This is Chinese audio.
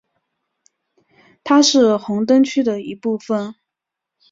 它是红灯区的一部分。